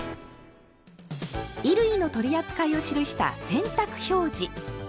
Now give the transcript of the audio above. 衣類の取り扱いを記した「洗濯表示」。